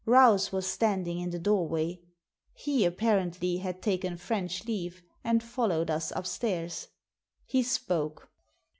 Rouse was standing in the doorway. He, apparently, had taken French leave, and followed us upstairs. He spoke.